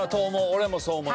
俺もそう思う。